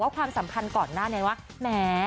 ความสำคัญก่อนว่า